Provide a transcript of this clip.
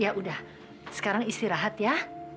yaudah sekarang istirahat ya